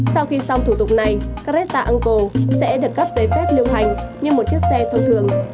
sau khi xong thủ tục này caretta uncle sẽ được cấp giấy phép liêu hành như một chiếc xe thông thường